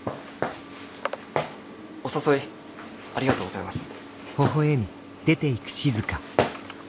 お誘いありがとうございます。